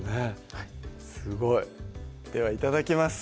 はいすごいではいただきます